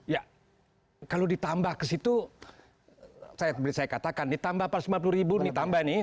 ya kalau ditambah ke situ saya katakan ditambah rp lima puluh ditambah nih